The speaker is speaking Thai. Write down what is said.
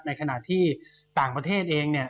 ในขณะที่ต่างประเทศเองเนี่ย